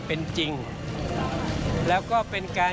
ส่วนต่างกระโบนการ